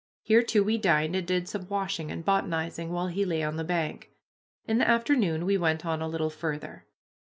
Here, too, we dined and did some washing and botanizing, while he lay on the bank. In the afternoon we went on a little farther.